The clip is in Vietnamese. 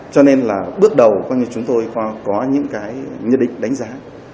cho nên là bước đầu chúng tôi có những cái nhận định đánh giá